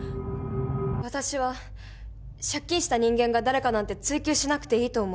私は借金した人間が誰かなんて追及しなくていいと思う。